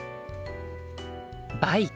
バイク。